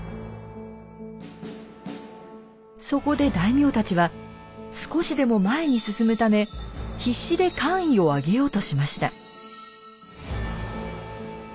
そこで大名たちは少しでも前に進むため必死で官位を上げようとしました。